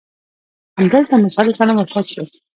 همدلته موسی علیه السلام وفات شو.